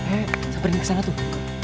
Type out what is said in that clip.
eh siapa ini kesana tuh